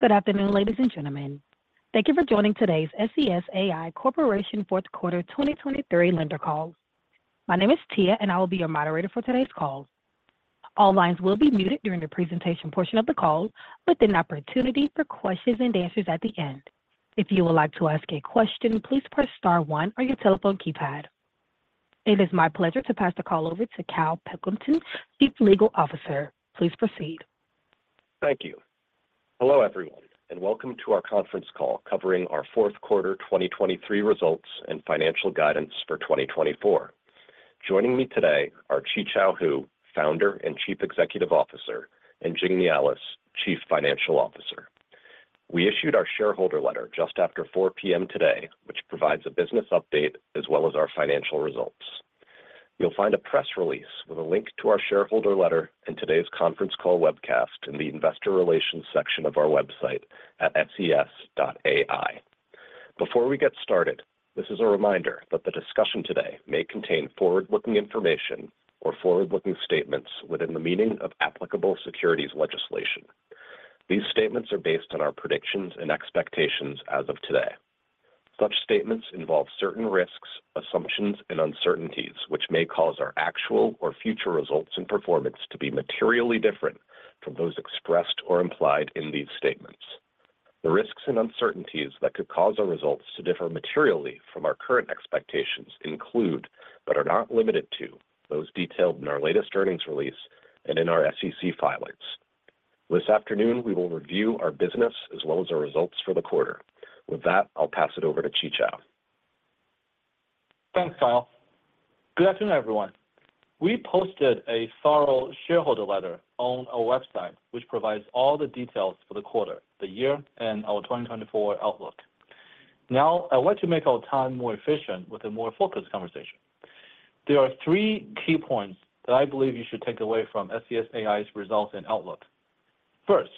Good afternoon, ladies and gentlemen. Thank you for joining today's SES AI Corporation fourth quarter 2023 earnings call. My name is Tia, and I will be your moderator for today's call. All lines will be muted during the presentation portion of the call, with an opportunity for questions and answers at the end. If you would like to ask a question, please press star one on your telephone keypad. It is my pleasure to pass the call over to Kyle Pilkington, Chief Legal Officer. Please proceed. Thank you. Hello everyone, and welcome to our conference call covering our fourth-quarter 2023 results and financial guidance for 2024. Joining me today are Qichao Hu, Founder and Chief Executive Officer, and Jing Nealis, Chief Financial Officer. We issued our shareholder letter just after 4:00P.M. today, which provides a business update as well as our financial results. You'll find a press release with a link to our shareholder letter and today's conference call webcast in the Investor Relations section of our website at SES.AI. Before we get started, this is a reminder that the discussion today may contain forward-looking information or forward-looking statements within the meaning of applicable securities legislation. These statements are based on our predictions and expectations as of today. Such statements involve certain risks, assumptions, and uncertainties, which may cause our actual or future results and performance to be materially different from those expressed or implied in these statements. The risks and uncertainties that could cause our results to differ materially from our current expectations include, but are not limited to, those detailed in our latest earnings release and in our SEC filings. This afternoon we will review our business as well as our results for the quarter. With that, I'll pass it over to Qichao. Thanks, Kyle. Good afternoon, everyone. We posted a thorough shareholder letter on our website, which provides all the details for the quarter, the year, and our 2024 outlook. Now, I'd like to make our time more efficient with a more focused conversation. There are three key points that I believe you should take away from SES AI's results and outlook. First,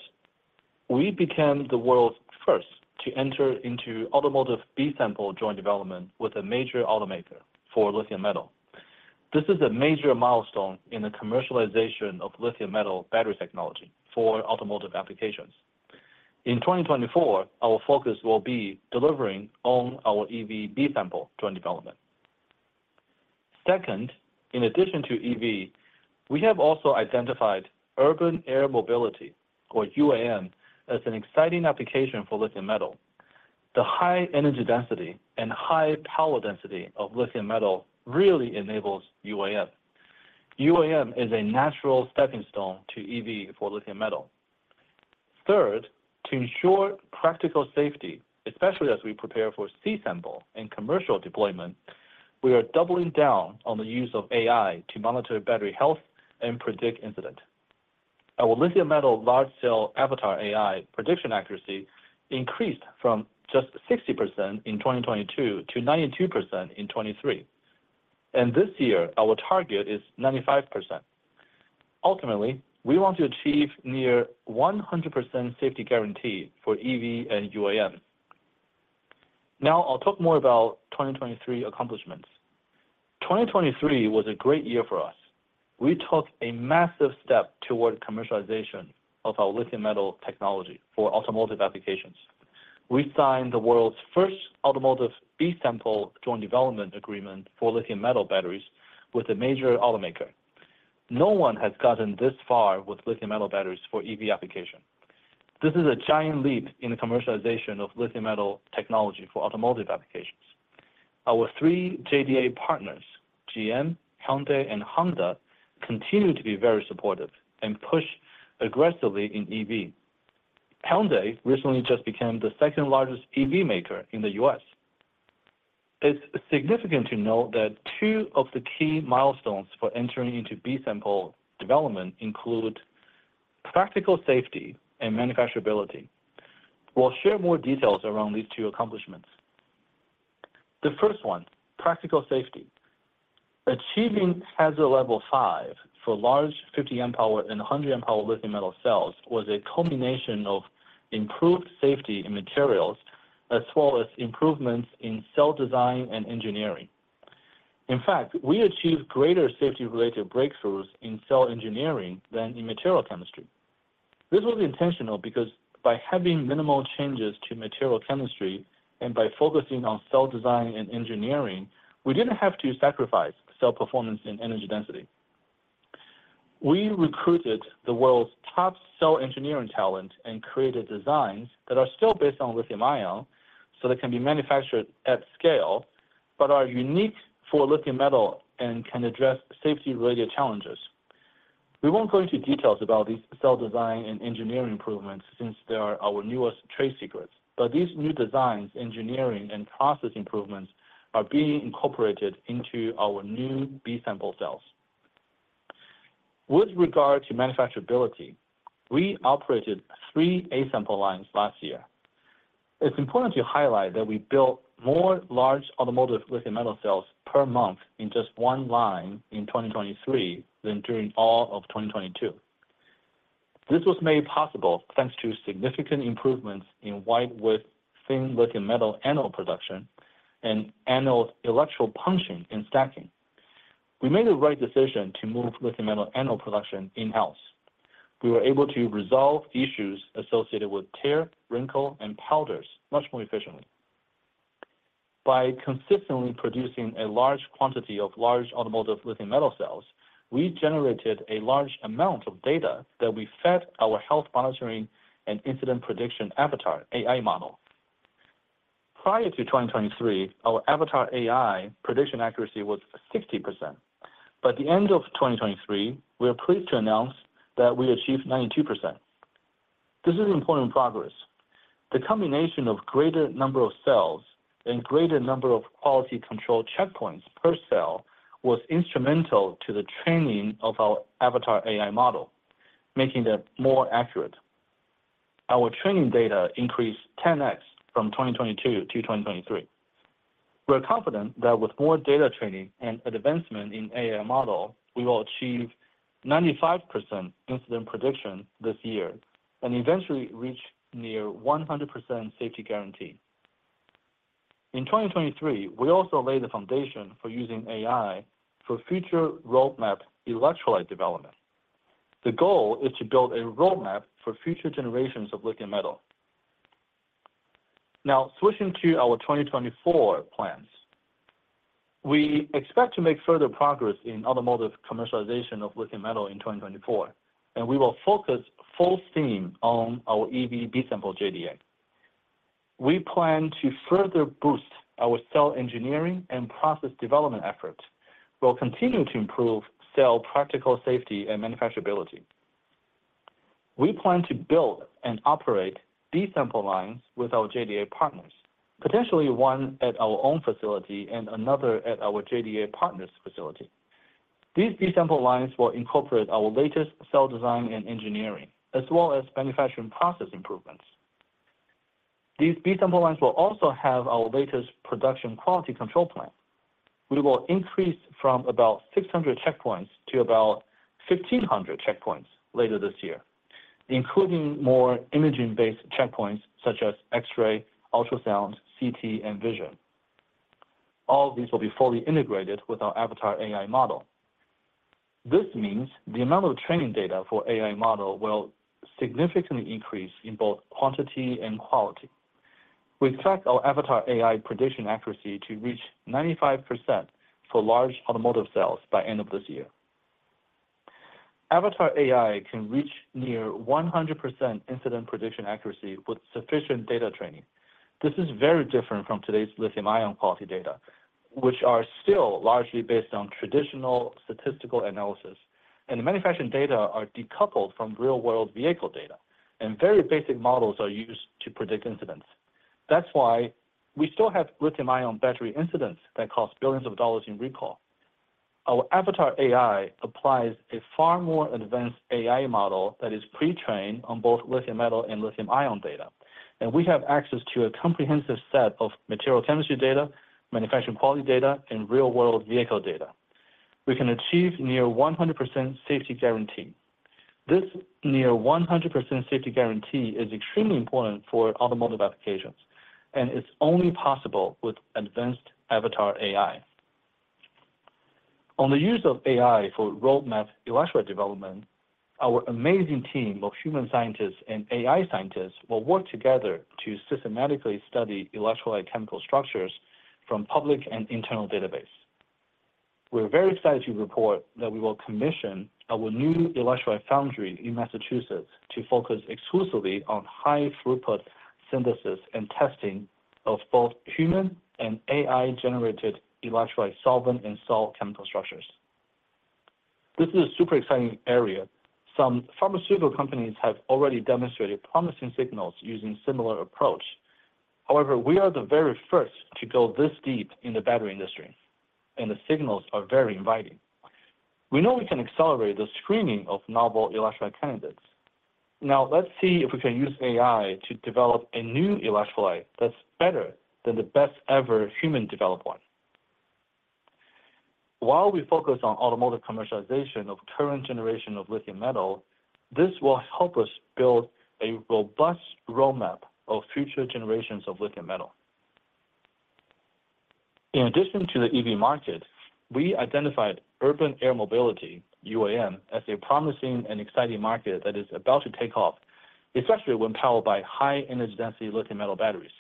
we became the world's first to enter into automotive B-sample joint development with a major automaker for lithium metal. This is a major milestone in the commercialization of lithium metal battery technology for automotive applications. In 2024, our focus will be delivering on our EV B-sample joint development. Second, in addition to EV, we have also identified urban air mobility, or UAM, as an exciting application for lithium metal. The high energy density and high power density of lithium metal really enables UAM. UAM is a natural stepping stone to EV for lithium metal. Third, to ensure practical safety, especially as we prepare for C-sample and commercial deployment, we are doubling down on the use of AI to monitor battery health and predict incident. Our lithium metal large-cell Avatar AI prediction accuracy increased from just 60% in 2022 to 92% in 2023, and this year our target is 95%. Ultimately, we want to achieve near 100% safety guarantee for EV and UAM. Now, I'll talk more about 2023 accomplishments. 2023 was a great year for us. We took a massive step toward commercialization of our lithium metal technology for automotive applications. We signed the world's first automotive B-sample joint development agreement for lithium metal batteries with a major automaker. No one has gotten this far with lithium metal batteries for EV application. This is a giant leap in the commercialization of lithium metal technology for automotive applications. Our three JDA partners, GM, Hyundai, and Honda, continue to be very supportive and push aggressively in EV. Hyundai recently just became the second-largest EV maker in the U.S. It's significant to note that two of the key milestones for entering into B-sample development include practical safety and manufacturability. We'll share more details around these two accomplishments. The first one, practical safety. Achieving Hazard Level 5 for large 50 amp-hour and 100 amp-hour lithium metal cells was a culmination of improved safety in materials as well as improvements in cell design and engineering. In fact, we achieved greater safety-related breakthroughs in cell engineering than in material chemistry. This was intentional because by having minimal changes to material chemistry and by focusing on cell design and engineering, we didn't have to sacrifice cell performance and energy density. We recruited the world's top cell engineering talent and created designs that are still based on lithium-ion so they can be manufactured at scale but are unique for lithium metal and can address safety-related challenges. We won't go into details about these cell design and engineering improvements since they are our newest trade secrets, but these new designs, engineering, and process improvements are being incorporated into our new B-sample cells. With regard to manufacturability, we operated three A-sample lines last year. It's important to highlight that we built more large automotive lithium metal cells per month in just one line in 2023 than during all of 2022. This was made possible thanks to significant improvements in wide-width thin lithium metal anode production and anode electrical punching and stacking. We made the right decision to move lithium metal anode production in-house. We were able to resolve issues associated with tear, wrinkle, and powders much more efficiently. By consistently producing a large quantity of large automotive lithium metal cells, we generated a large amount of data that we fed our health monitoring and incident prediction Avatar AI model. Prior to 2023, our Avatar AI prediction accuracy was 60%, but at the end of 2023, we are pleased to announce that we achieved 92%. This is important progress. The combination of a greater number of cells and a greater number of quality control checkpoints per cell was instrumental to the training of our Avatar AI model, making it more accurate. Our training data increased 10x from 2022 to 2023. We're confident that with more data training and advancement in AI model, we will achieve 95% incident prediction this year and eventually reach near 100% safety guarantee. In 2023, we also laid the foundation for using AI for future roadmap electrolyte development. The goal is to build a roadmap for future generations of lithium metal. Now, switching to our 2024 plans. We expect to make further progress in automotive commercialization of lithium metal in 2024, and we will focus full steam on our EV B-sample JDA. We plan to further boost our cell engineering and process development efforts. We'll continue to improve cell practical safety and manufacturability. We plan to build and operate B-sample lines with our JDA partners, potentially one at our own facility and another at our JDA partner's facility. These B-sample lines will incorporate our latest cell design and engineering as well as manufacturing process improvements. These B-sample lines will also have our latest production quality control plan. We will increase from about 600 checkpoints to about 1,500 checkpoints later this year, including more imaging-based checkpoints such as X-ray, ultrasound, CT, and vision. All of these will be fully integrated with our Avatar AI model. This means the amount of training data for AI model will significantly increase in both quantity and quality. We expect our Avatar AI prediction accuracy to reach 95% for large automotive cells by the end of this year. Avatar AI can reach near 100% incident prediction accuracy with sufficient data training. This is very different from today's lithium-ion quality data, which are still largely based on traditional statistical analysis, and the manufacturing data are decoupled from real-world vehicle data, and very basic models are used to predict incidents. That's why we still have lithium-ion battery incidents that cost billions of dollars in recall. Our Avatar AI applies a far more advanced AI model that is pre-trained on both lithium metal and lithium-ion data, and we have access to a comprehensive set of material chemistry data, manufacturing quality data, and real-world vehicle data. We can achieve near 100% safety guarantee. This near 100% safety guarantee is extremely important for automotive applications, and it's only possible with advanced Avatar AI. On the use of AI for roadmap electrolyte development, our amazing team of human scientists and AI scientists will work together to systematically study electrolyte chemical structures from public and internal databases. We're very excited to report that we will commission our new Electrolyte Foundry in Massachusetts to focus exclusively on high-throughput synthesis and testing of both human and AI-generated electrolyte solvent and salt chemical structures. This is a super exciting area. Some pharmaceutical companies have already demonstrated promising signals using a similar approach. However, we are the very first to go this deep in the battery industry, and the signals are very inviting. We know we can accelerate the screening of novel electrolyte candidates. Now, let's see if we can use AI to develop a new electrolyte that's better than the best-ever human-developed one. While we focus on automotive commercialization of the current generation of lithium metal, this will help us build a robust roadmap of future generations of lithium metal. In addition to the EV market, we identified urban air mobility, UAM, as a promising and exciting market that is about to take off, especially when powered by high-energy density lithium metal batteries.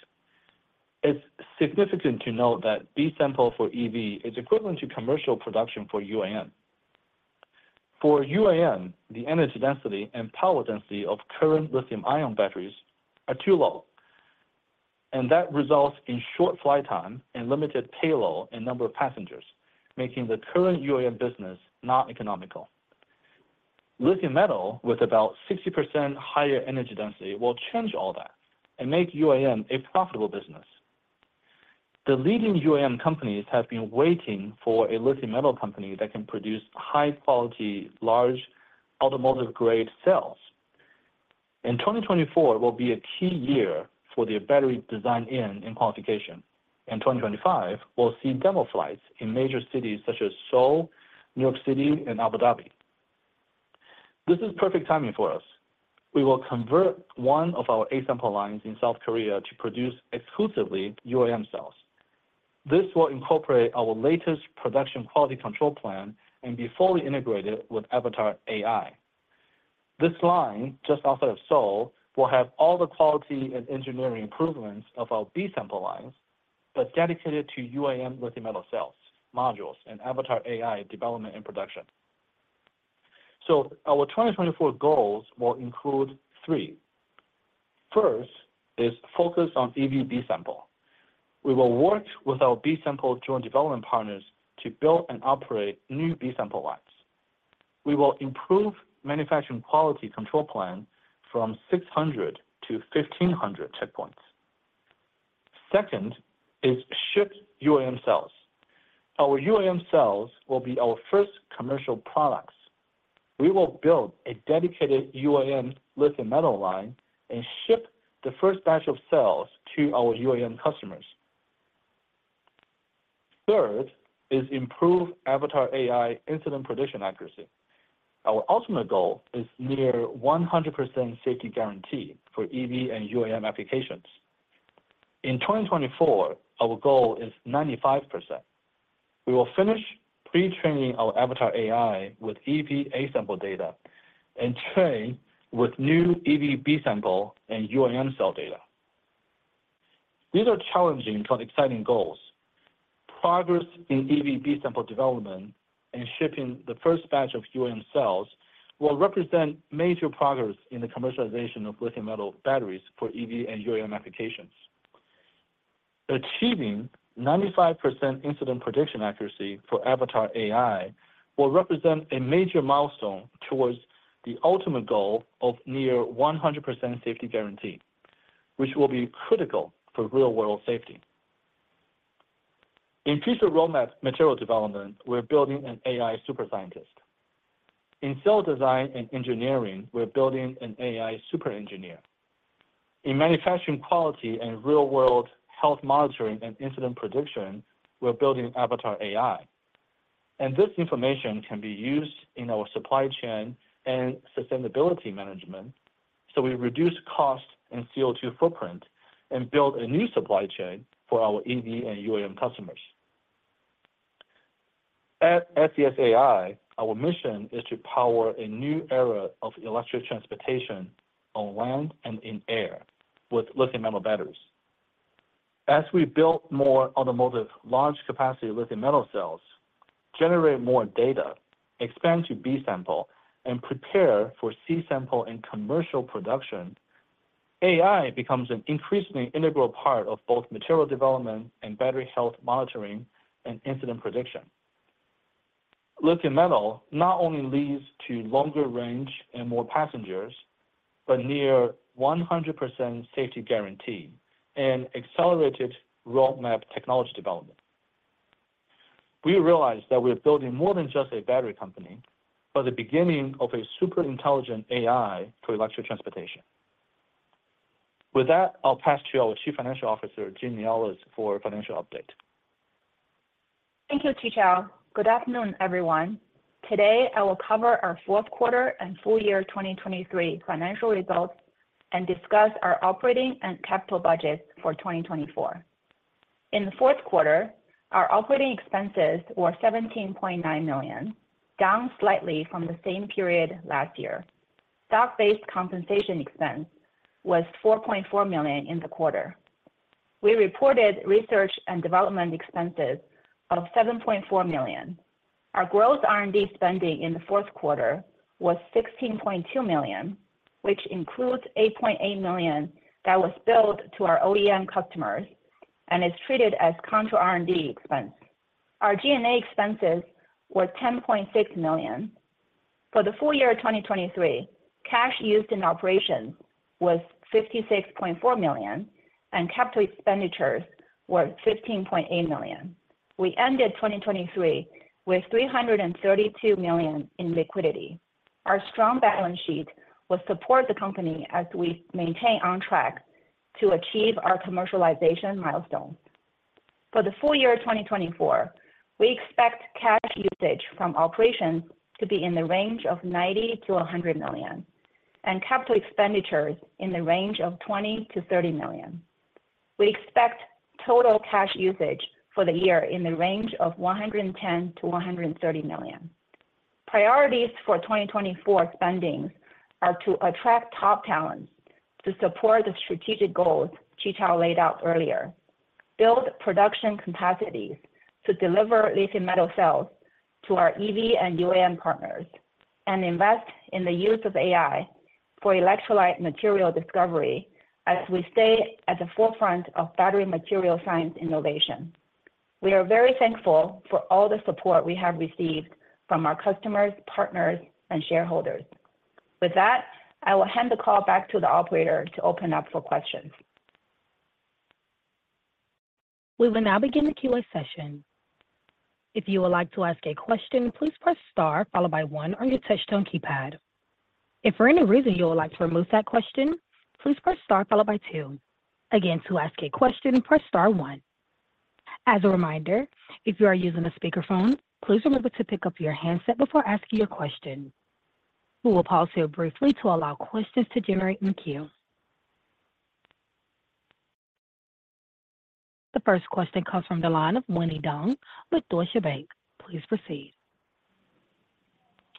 It's significant to note that B-sample for EV is equivalent to commercial production for UAM. For UAM, the energy density and power density of current lithium-ion batteries are too low, and that results in short flight time and limited payload and number of passengers, making the current UAM business not economical. Lithium metal, with about 60% higher energy density, will change all that and make UAM a profitable business. The leading UAM companies have been waiting for a lithium metal company that can produce high-quality, large automotive-grade cells. 2024 will be a key year for their battery design-in and qualification. 2025 will see demo flights in major cities such as Seoul, New York City, and Abu Dhabi. This is perfect timing for us. We will convert one of our A-sample lines in South Korea to produce exclusively UAM cells. This will incorporate our latest production quality control plan and be fully integrated with Avatar AI. This line just outside of Seoul will have all the quality and engineering improvements of our B-sample lines but dedicated to UAM lithium metal cells, modules, and Avatar AI development and production. So our 2024 goals will include three. First is focus on EV B-sample. We will work with our B-sample joint development partners to build and operate new B-sample lines. We will improve the manufacturing quality control plan from 600 to 1,500 checkpoints. Second is ship UAM cells. Our UAM cells will be our first commercial products. We will build a dedicated UAM lithium metal line and ship the first batch of cells to our UAM customers. Third is improve Avatar AI incident prediction accuracy. Our ultimate goal is near 100% safety guarantee for EV and UAM applications. In 2024, our goal is 95%. We will finish pre-training our Avatar AI with EV A-sample data and train with new EV B-sample and UAM cell data. These are challenging but exciting goals. Progress in EV B-sample development and shipping the first batch of UAM cells will represent major progress in the commercialization of lithium metal batteries for EV and UAM applications. Achieving 95% incident prediction accuracy for Avatar AI will represent a major milestone towards the ultimate goal of near 100% safety guarantee, which will be critical for real-world safety. In future roadmap material development, we're building an AI super scientist. In cell design and engineering, we're building an AI super engineer. In manufacturing quality and real-world health monitoring and incident prediction, we're building Avatar AI. This information can be used in our supply chain and sustainability management so we reduce cost and CO2 footprint and build a new supply chain for our EV and UAM customers. At SES AI, our mission is to power a new era of electric transportation on land and in air with lithium metal batteries. As we build more automotive large-capacity lithium metal cells, generate more data, expand to B-sample, and prepare for C-sample and commercial production, AI becomes an increasingly integral part of both material development and battery health monitoring and incident prediction. Lithium metal not only leads to longer range and more passengers but near 100% safety guarantee and accelerated roadmap technology development. We realize that we're building more than just a battery company but the beginning of a super intelligent AI for electric transportation. With that, I'll pass to our Chief Financial Officer, Jing Nealis, for a financial update. Thank you, Qichao. Good afternoon, everyone. Today, I will cover our fourth quarter and full year 2023 financial results and discuss our operating and capital budgets for 2024. In the fourth quarter, our operating expenses were $17.9 million, down slightly from the same period last year. Stock-based compensation expense was $4.4 million in the quarter. We reported research and development expenses of $7.4 million. Our gross R&D spending in the fourth quarter was $16.2 million, which includes $8.8 million that was billed to our OEM customers and is treated as contra-R&D expense. Our G&A expenses were $10.6 million. For the full year 2023, cash used in operations was $56.4 million, and capital expenditures were $15.8 million. We ended 2023 with $332 million in liquidity. Our strong balance sheet will support the company as we maintain on track to achieve our commercialization milestones. For the full year 2024, we expect cash usage from operations to be in the range of $90 million-$100 million and capital expenditures in the range of $20 million-$30 million. We expect total cash usage for the year in the range of $110 million-$130 million. Priorities for 2024 spending are to attract top talents to support the strategic goals Qichao laid out earlier, build production capacities to deliver lithium metal cells to our EV and UAM partners, and invest in the use of AI for electrolyte material discovery as we stay at the forefront of battery material science innovation. We are very thankful for all the support we have received from our customers, partners, and shareholders. With that, I will hand the call back to the operator to open up for questions. We will now begin the Q&A session. If you would like to ask a question, please press star followed by one on your touch-tone keypad. If for any reason you would like to remove that question, please press star followed by two. Again, to ask a question, press star one. As a reminder, if you are using a speakerphone, please remember to pick up your handset before asking your question. We will pause here briefly to allow questions to generate in the queue. The first question comes from the line of Winnie Dong with Deutsche Bank. Please proceed.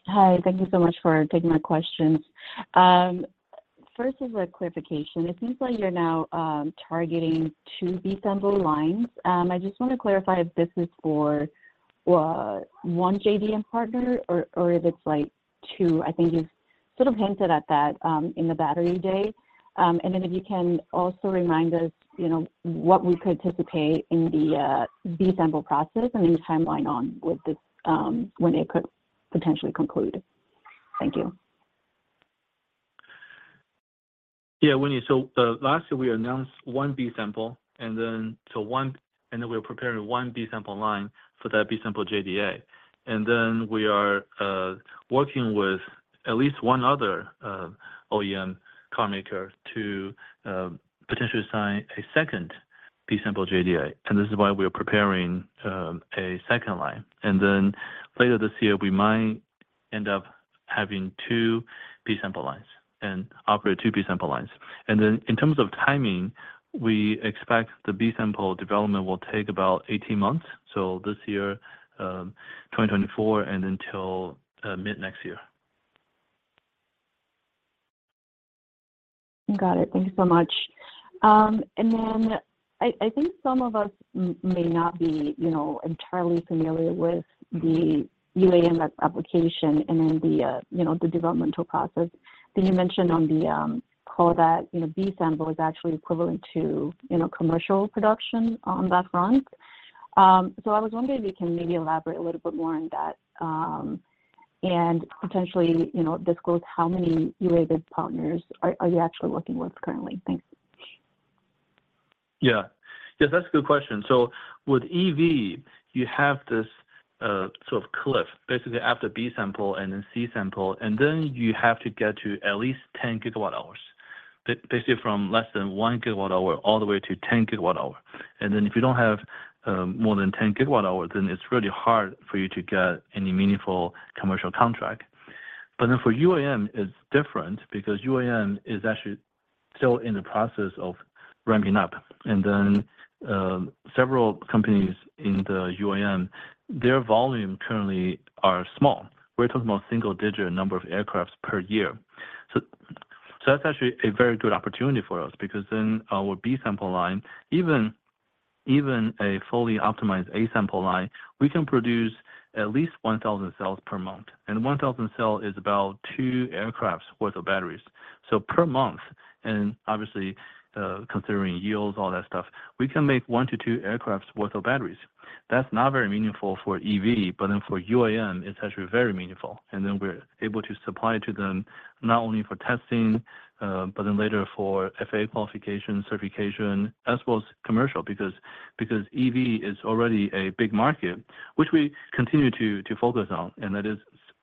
Hi. Thank you so much for taking my questions. First, as a clarification, it seems like you're now targeting two B-sample lines. I just want to clarify if this is for one JDA partner or if it's two. I think you sort of hinted at that in the Battery Day. And then if you can also remind us what we could anticipate in the B-sample process and any timeline on when it could potentially conclude. Thank you. Yeah, Winnie. So last year, we announced one B-sample, and then we were preparing one B-sample line for that B-sample JDA. And then we are working with at least one other OEM car maker to potentially sign a second B-sample JDA. And this is why we are preparing a second line. And then later this year, we might end up having two B-sample lines and operate two B-sample lines. And then in terms of timing, we expect the B-sample development will take about 18 months, so this year, 2024, and until mid next year. Got it. Thank you so much. And then I think some of us may not be entirely familiar with the UAM application and then the developmental process. Then you mentioned on the call that B-sample is actually equivalent to commercial production on that front. So I was wondering if you can maybe elaborate a little bit more on that and potentially disclose how many UAM partners are you actually working with currently. Thanks. Yeah. Yes, that's a good question. So with EV, you have this sort of cliff, basically after B-sample and then C-sample, and then you have to get to at least 10 GWh, basically from less than one GWh all the way to 10 GWh. And then if you don't have more than 10 GWh, then it's really hard for you to get any meaningful commercial contract. But then for UAM, it's different because UAM is actually still in the process of ramping up. And then several companies in the UAM, their volume currently are small. We're talking about a single-digit number of aircrafts per year. So that's actually a very good opportunity for us because then our B-sample line, even a fully optimized A-sample line, we can produce at least 1,000 cells per month. And 1,000 cells is about two aircrafts' worth of batteries. So per month, and obviously, considering yields, all that stuff, we can make one-two aircrafts' worth of batteries. That's not very meaningful for EV, but then for UAM, it's actually very meaningful. And then we're able to supply to them not only for testing but then later for FAA qualification, certification, as well as commercial because EV is already a big market, which we continue to focus on, and that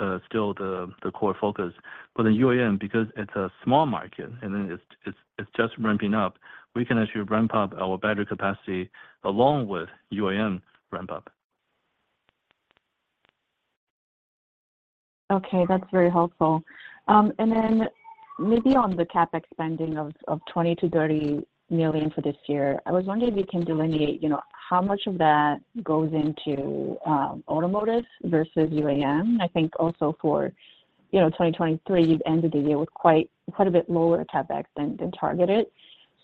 is still the core focus. But then UAM, because it's a small market and then it's just ramping up, we can actually ramp up our battery capacity along with UAM ramp-up. Okay. That's very helpful. And then maybe on the CapEx spending of $20 million-$30 million for this year, I was wondering if you can delineate how much of that goes into automotive versus UAM. I think also for 2023, you've ended the year with quite a bit lower CapEx than targeted.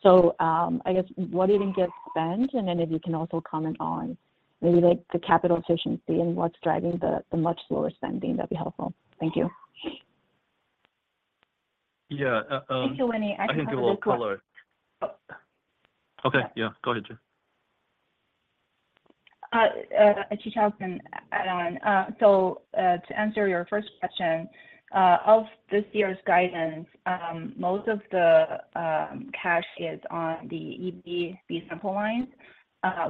So I guess what even gets spent? And then if you can also comment on maybe the capital efficiency and what's driving the much slower spending, that'd be helpful. Thank you. Yeah. Thank you, Winnie. I think we'll call her. I think it will call her. Okay. Yeah. Go ahead, Jing. Qichao can add on. To answer your first question, of this year's guidance, most of the cash is on the EV B-sample lines.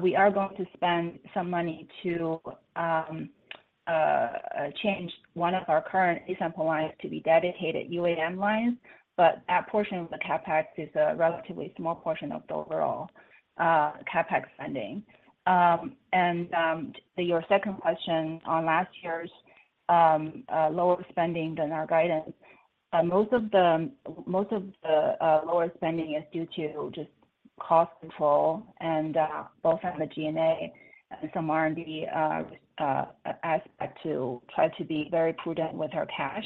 We are going to spend some money to change one of our current A-sample lines to be dedicated UAM lines, but that portion of the CapEx is a relatively small portion of the overall CapEx spending. Your second question on last year's lower spending than our guidance, most of the lower spending is due to just cost control and both on the G&A and some R&D aspect to try to be very prudent with our cash.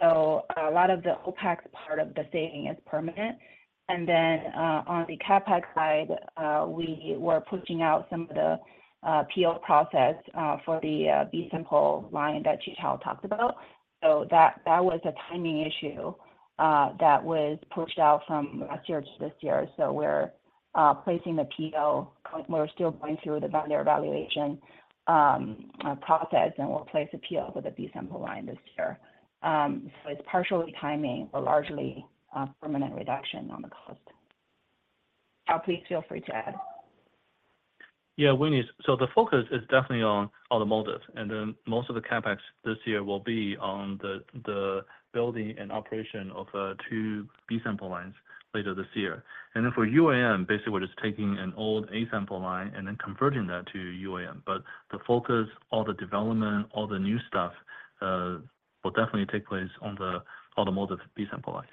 A lot of the OPEX part of the saving is permanent. Then on the CapEx side, we were pushing out some of the PO process for the B-sample line that Qichao talked about. So that was a timing issue that was pushed out from last year to this year. So we're placing the PO. We're still going through the vendor evaluation process, and we'll place a PO for the B-sample line this year. So it's partially timing but largely a permanent reduction on the cost. Please feel free to add. Yeah, Winnie. So the focus is definitely on automotive. And then most of the CapEx this year will be on the building and operation of two B-sample lines later this year. And then for UAM, basically, we're just taking an old A-sample line and then converting that to UAM. But the focus, all the development, all the new stuff will definitely take place on the automotive B-sample lines.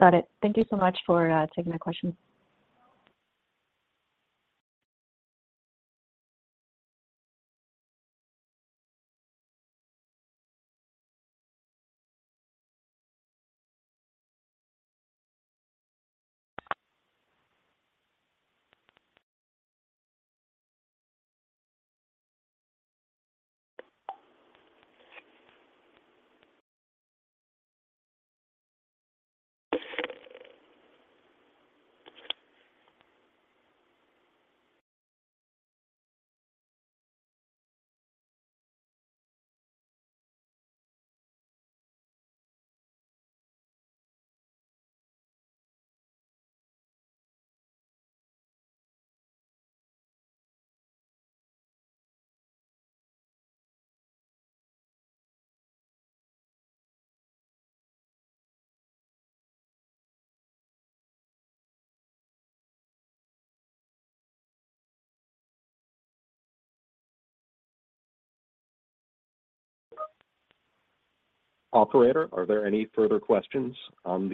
Got it. Thank you so much for taking my question. Operator, are there any further questions in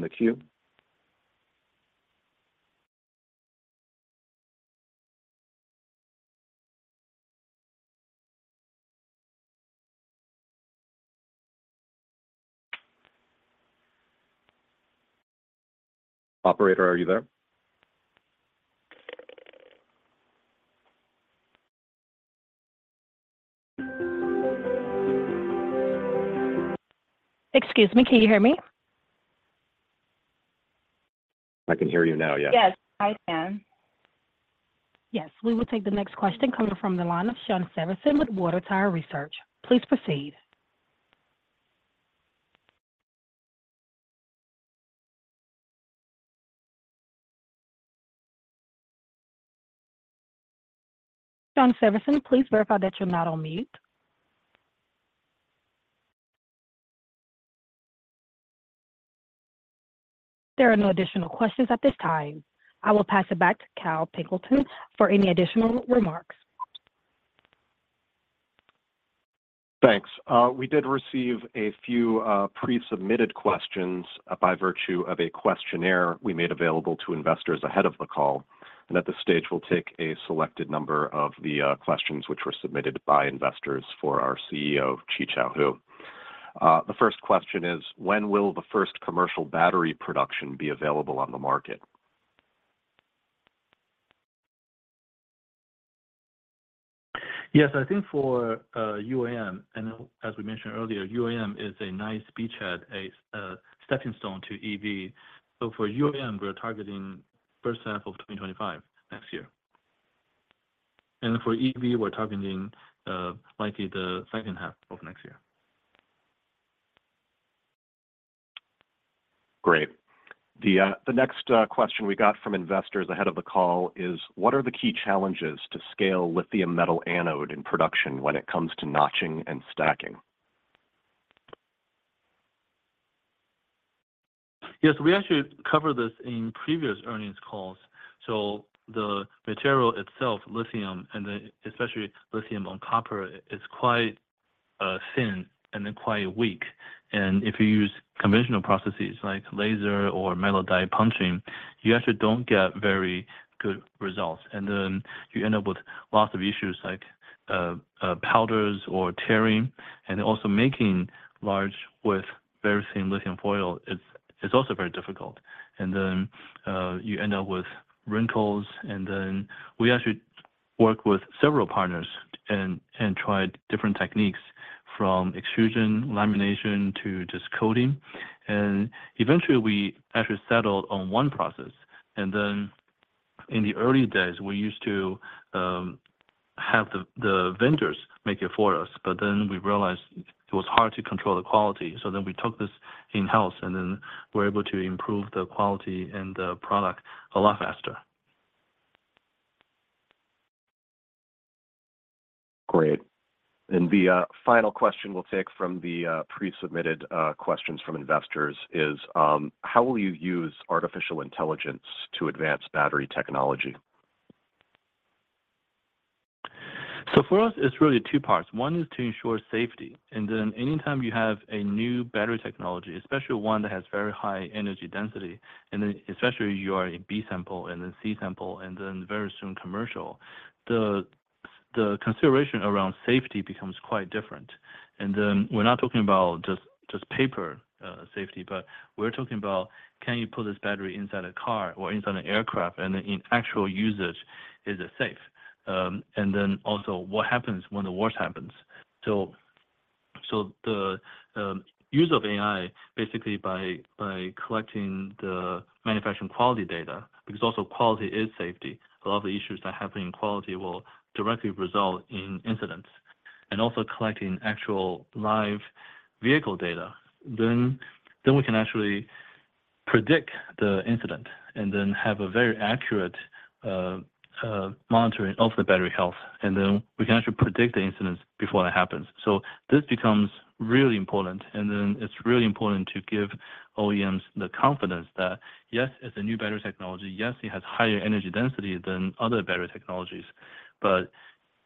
the queue? Operator, are you there? Excuse me. Can you hear me? I can hear you now. Yes. Yes. I can. Yes. We will take the next question coming from the line of Shawn Severson with Water Tower Research. Please proceed. Sean Severson, please verify that you're not on mute. There are no additional questions at this time. I will pass it back to Kyle Pilkington for any additional remarks. Thanks. We did receive a few presubmitted questions by virtue of a questionnaire we made available to investors ahead of the call. At this stage, we'll take a selected number of the questions which were submitted by investors for our CEO, Qichao Hu. The first question is, when will the first commercial battery production be available on the market? Yes. I think for UAM, and as we mentioned earlier, UAM is a nice beachhead, a stepping stone to EV. So for UAM, we're targeting first half of 2025, next year. And then for EV, we're targeting likely the second half of next year. Great. The next question we got from investors ahead of the call is, what are the key challenges to scale lithium-metal anode in production when it comes to notching and stacking? Yes. We actually covered this in previous earnings calls. So the material itself, lithium, and then especially lithium on copper, is quite thin and then quite weak. And if you use conventional processes like laser or metal die punching, you actually don't get very good results. And then you end up with lots of issues like powders or tearing. And then also making large with very thin lithium foil is also very difficult. And then you end up with wrinkles. And then we actually work with several partners and try different techniques from extrusion, lamination, to just coating. And eventually, we actually settled on one process. And then in the early days, we used to have the vendors make it for us, but then we realized it was hard to control the quality. We took this in-house, and then we're able to improve the quality and the product a lot faster. Great. The final question we'll take from the presubmitted questions from investors is, how will you use artificial intelligence to advance battery technology? So for us, it's really two parts. One is to ensure safety. Then anytime you have a new battery technology, especially one that has very high energy density, and then especially if you are in B-sample and then C-sample and then very soon commercial, the consideration around safety becomes quite different. Then we're not talking about just paper safety, but we're talking about, can you put this battery inside a car or inside an aircraft, and then in actual usage, is it safe? And then also, what happens when the wear happens? So the use of AI, basically by collecting the manufacturing quality data because also quality is safety, a lot of the issues that happen in quality will directly result in incidents. And also collecting actual live vehicle data, then we can actually predict the incident and then have a very accurate monitoring of the battery health. Then we can actually predict the incidents before that happens. This becomes really important. Then it's really important to give OEMs the confidence that, yes, it's a new battery technology. Yes, it has higher energy density than other battery technologies, but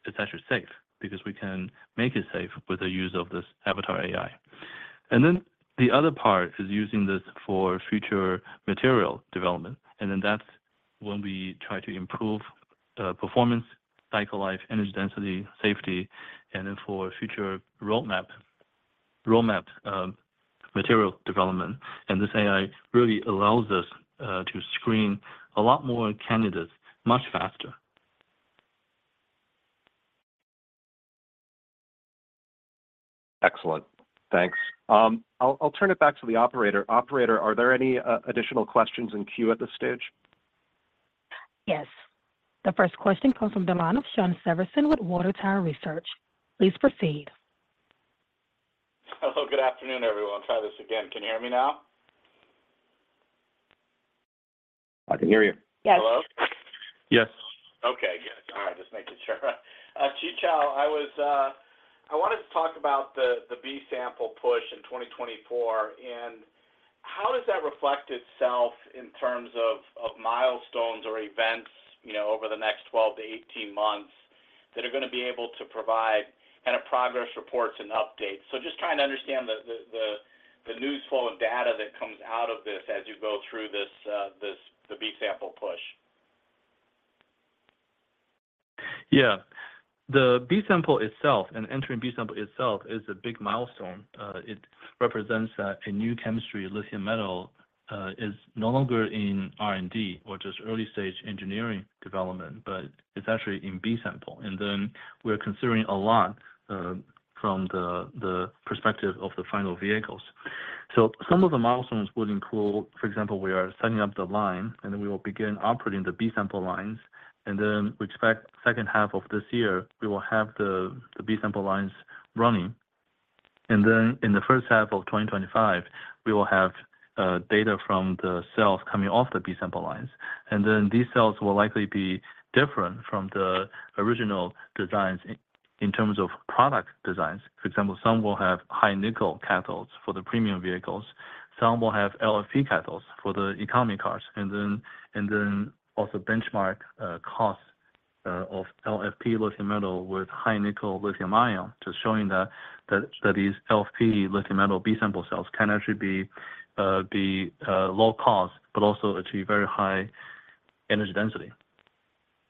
it's actually safe because we can make it safe with the use of this Avatar AI. Then the other part is using this for future material development. This AI really allows us to screen a lot more candidates much faster. Excellent. Thanks. I'll turn it back to the operator. Operator, are there any additional questions in queue at this stage? Yes. The first question comes from the line of Shawn Severson with Water Tower Research. Please proceed. Hello. Good afternoon, everyone. Try this again. Can you hear me now? I can hear you. Yes. Hello? Yes. Okay. Good. All right. Just making sure. Qichao, I wanted to talk about the B-sample push in 2024. And how does that reflect itself in terms of milestones or events over the next 12 to 18 months that are going to be able to provide kind of progress reports and updates? So just trying to understand the newsflow and data that comes out of this as you go through the B-sample push. Yeah. The B-sample itself, and entering B-sample itself, is a big milestone. It represents that a new chemistry, lithium metal, is no longer in R&D or just early-stage engineering development, but it's actually in B-sample. And then we're considering a lot from the perspective of the final vehicles. So some of the milestones would include, for example, we are setting up the line, and then we will begin operating the B-sample lines. And then we expect second half of this year, we will have the B-sample lines running. And then in the first half of 2025, we will have data from the cells coming off the B-sample lines. And then these cells will likely be different from the original designs in terms of product designs. For example, some will have high-nickel cathodes for the premium vehicles. Some will have LFP cathodes for the economy cars. And then also benchmark costs of LFP lithium metal with high-nickel lithium ion, just showing that these LFP lithium metal B-sample cells can actually be low-cost but also achieve very high energy density.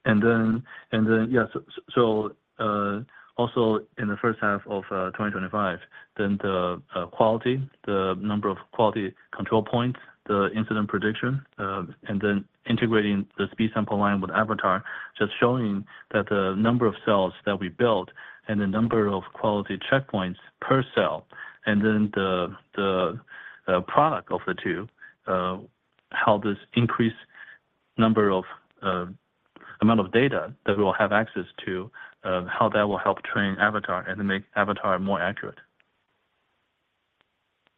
And then, yes, so also in the first half of 2025, then the quality, the number of quality control points, the incident prediction, and then integrating the B-sample line with Avatar, just showing that the number of cells that we built and the number of quality checkpoints per cell and then the product of the two, how this increased amount of data that we will have access to, how that will help train Avatar and then make Avatar more accurate.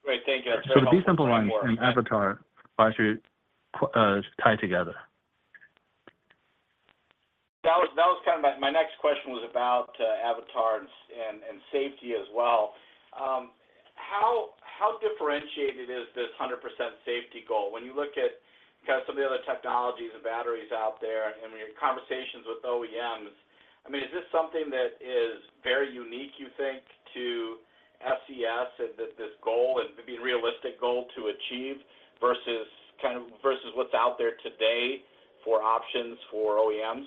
Great. Thank you. That's very helpful. The B-sample line and Avatar are actually tied together. That was kind of my next question was about Avatar and safety as well. How differentiated is this 100% safety goal? When you look at kind of some of the other technologies and batteries out there and your conversations with OEMs, I mean, is this something that is very unique, you think, to SES and this goal and being a realistic goal to achieve versus kind of what's out there today for options for OEMs?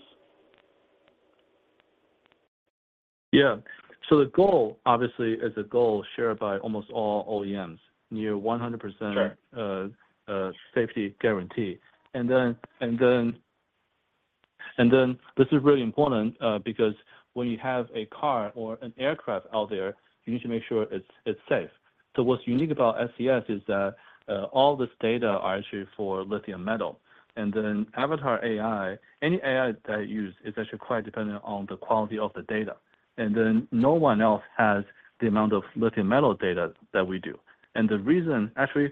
Yeah. So obviously, it's a goal shared by almost all OEMs, near 100% safety guarantee. And then this is really important because when you have a car or an aircraft out there, you need to make sure it's safe. So what's unique about SES is that all this data are actually for lithium metal. And then Avatar AI, any AI that I use, is actually quite dependent on the quality of the data. And then no one else has the amount of lithium metal data that we do. And the reason, actually,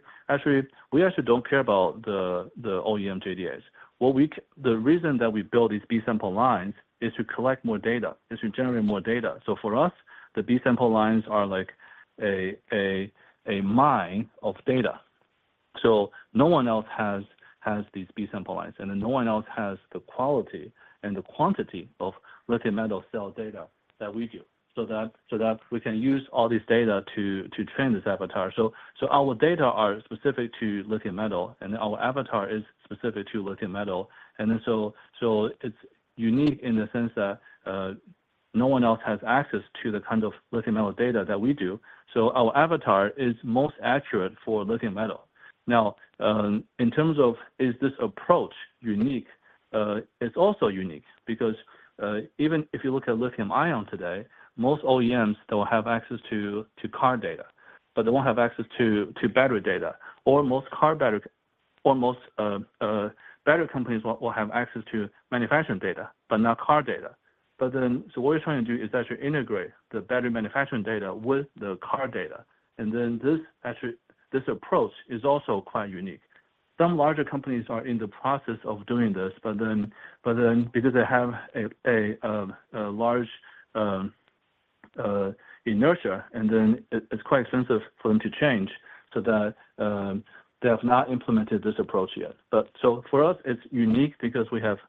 we actually don't care about the OEM JDAs. The reason that we build these B-sample lines is to collect more data, is to generate more data. So for us, the B-sample lines are like a mine of data. So no one else has these B-sample lines. No one else has the quality and the quantity of lithium metal cell data that we do so that we can use all this data to train this Avatar. So our data are specific to lithium metal, and then our Avatar is specific to lithium metal. So it's unique in the sense that no one else has access to the kind of lithium metal data that we do. So our Avatar is most accurate for lithium metal. Now, in terms of is this approach unique, it's also unique because even if you look at lithium-ion today, most OEMs that will have access to car data, but they won't have access to battery data. Or most car battery or most battery companies will have access to manufacturing data but not car data. What we're trying to do is actually integrate the battery manufacturing data with the car data. This approach is also quite unique. Some larger companies are in the process of doing this, but then because they have a large inertia, and then it's quite expensive for them to change, so that they have not implemented this approach yet. For us, it's unique because we have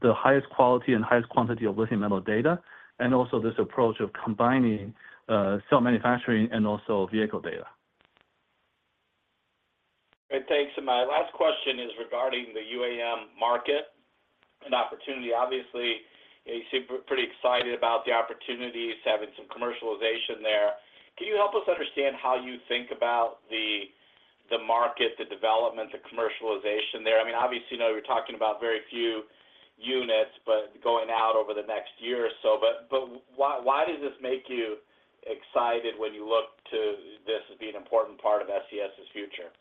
the highest quality and highest quantity of lithium metal data and also this approach of combining cell manufacturing and also vehicle data. Great. Thanks. My last question is regarding the UAM market and opportunity. Obviously, you seem pretty excited about the opportunities, having some commercialization there. Can you help us understand how you think about the market, the development, the commercialization there? I mean, obviously, you're talking about very few units but going out over the next year or so. But why does this make you excited when you look to this as being an important part of SES's future?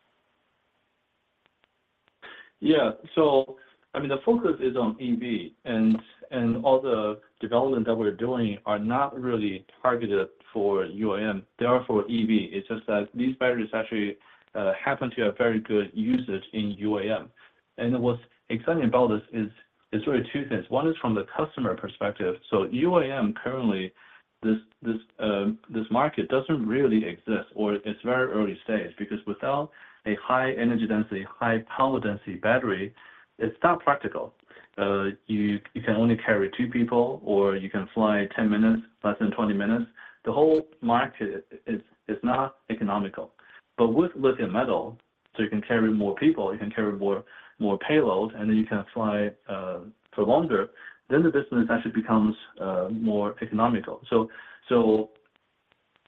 Yeah. So I mean, the focus is on EV. And all the development that we're doing are not really targeted for UAM. They are for EV. It's just that these batteries actually happen to have very good usage in UAM. And what's exciting about this is really two things. One is from the customer perspective. So UAM currently, this market doesn't really exist, or it's very early stage because without a high energy density, high power density battery, it's not practical. You can only carry two people, or you can fly 10 minutes, less than 20 minutes. The whole market is not economical. But with lithium metal, so you can carry more people, you can carry more payload, and then you can fly for longer, then the business actually becomes more economical. So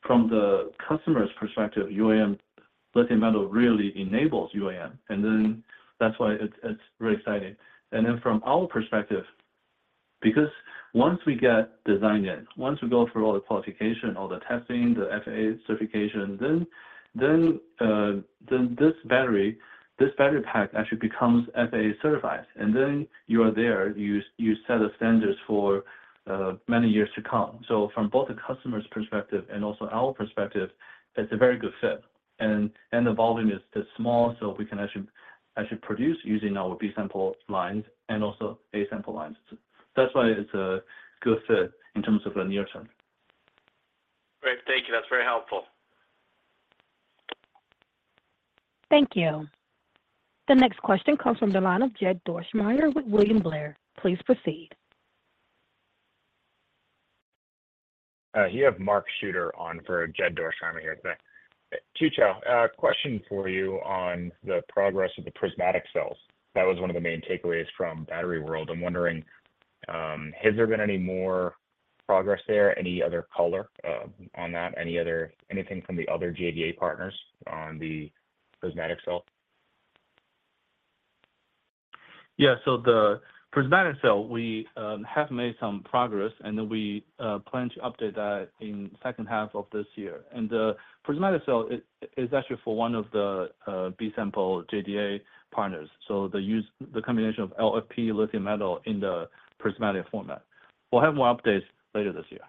from the customer's perspective, UAM lithium metal really enables UAM. And then that's why it's really exciting. Then from our perspective, because once we get designed in, once we go through all the qualification, all the testing, the FAA certification, then this battery pack actually becomes FAA certified. Then you are there. You set the standards for many years to come. From both the customer's perspective and also our perspective, it's a very good fit. The volume is small, so we can actually produce using our B-sample lines and also A-sample lines. That's why it's a good fit in terms of the near term. Great. Thank you. That's very helpful. Thank you. The next question comes from the line of Jed Dorsheimer with William Blair. Please proceed. All right. You have Mark Shooter on for Jed Dorsheimer here today. Qichao, question for you on the progress of the prismatic cells. That was one of the main takeaways from Battery World. I'm wondering, has there been any more progress there? Any other color on that? Anything from the other JDA partners on the prismatic cell? Yeah. So the prismatic cell, we have made some progress, and then we plan to update that in second half of this year. The prismatic cell is actually for one of the B-sample JDA partners, so the combination of LFP lithium metal in the prismatic format. We'll have more updates later this year.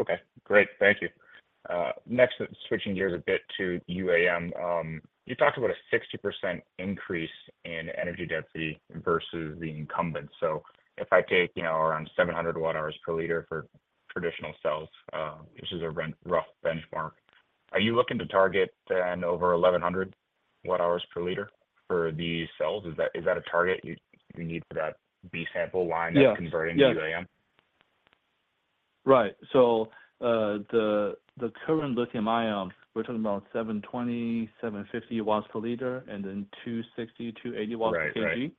Okay. Great. Thank you. Next, switching gears a bit to UAM, you talked about a 60% increase in energy density versus the incumbent. So if I take around 700 Wh/L for traditional cells, this is a rough benchmark. Are you looking to target then over 1,100 Wh/L for these cells? Is that a target you need for that B-sample line that's converting to UAM? Yeah. Right. So the current lithium-ion, we're talking about 720-750 watts per liter, and then 260-280 watts per kg.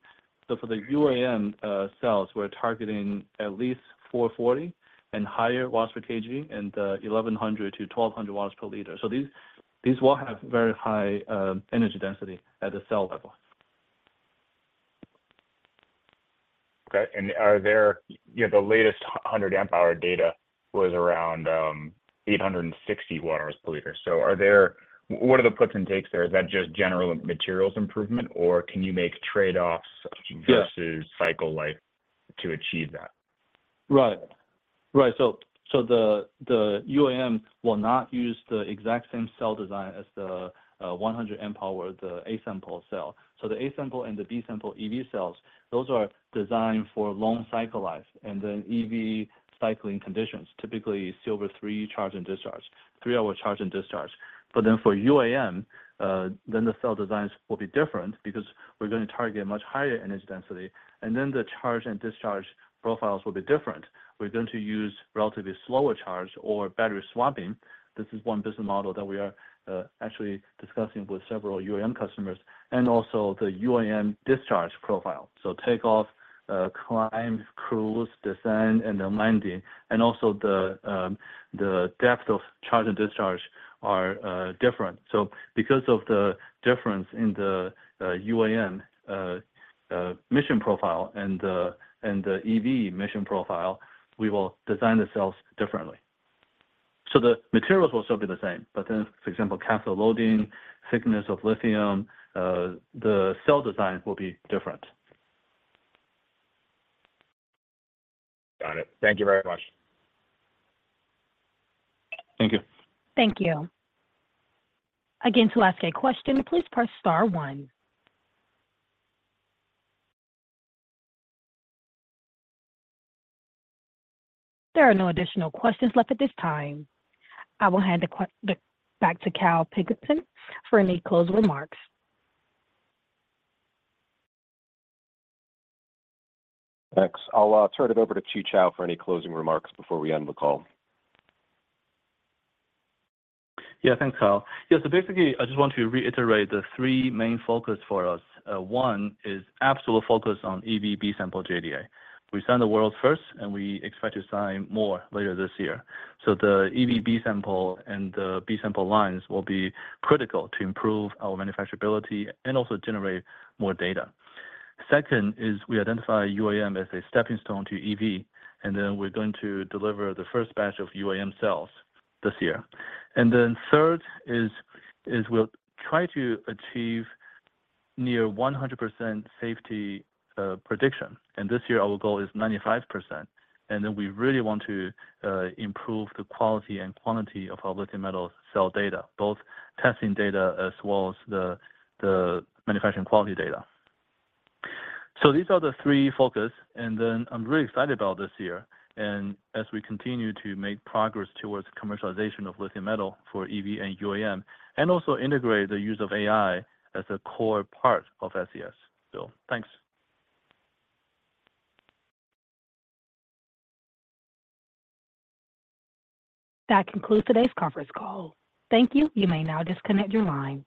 So for the UAM cells, we're targeting at least 440+ watts per kg and 1,100-1,200 watts per liter. So these will have very high energy density at the cell level. Okay. And the latest 100-amp-hour data was around 860 Wh/L. So what are the puts and takes there? Is that just general materials improvement, or can you make trade-offs versus cycle life to achieve that? Right. Right. So the UAM will not use the exact same cell design as the 100-amp-hour, the A-sample cell. So the A-sample and the B-sample EV cells, those are designed for long cycle life and then EV cycling conditions, typically C/3 charge and discharge, 3-hour charge and discharge. But then for UAM, then the cell designs will be different because we're going to target much higher energy density. And then the charge and discharge profiles will be different. We're going to use relatively slower charge or battery swapping. This is one business model that we are actually discussing with several UAM customers and also the UAM discharge profile. So takeoff, climb, cruise, descend, and then landing. And also the depth of charge and discharge are different. So because of the difference in the UAM mission profile and the EV mission profile, we will design the cells differently. The materials will still be the same, but then, for example, cathode loading, thickness of lithium, the cell design will be different. Got it. Thank you very much. Thank you. Thank you. Again, to ask a question, please press star one. There are no additional questions left at this time. I will hand it back to Kyle Pilkington for any closing remarks. Thanks. I'll turn it over to Qichao for any closing remarks before we end the call. Yeah. Thanks, Kyle. Yeah. So basically, I just want to reiterate the three main focus for us. One is absolute focus on EV B-sample JDA. We signed the world first, and we expect to sign more later this year. So the EV B-sample and the B-sample lines will be critical to improve our manufacturability and also generate more data. Second is we identify UAM as a stepping stone to EV, and then we're going to deliver the first batch of UAM cells this year. And then third is we'll try to achieve near 100% safety prediction. And this year, our goal is 95%. And then we really want to improve the quality and quantity of our lithium metal cell data, both testing data as well as the manufacturing quality data. So these are the three focus. Then I'm really excited about this year and as we continue to make progress towards commercialization of lithium metal for EV and UAM and also integrate the use of AI as a core part of SES. Thanks. That concludes today's conference call. Thank you. You may now disconnect your line.